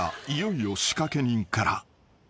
いよいよ仕掛け人から］